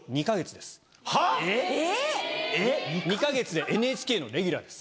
はっ⁉えっ⁉２か月でＮＨＫのレギュラーです。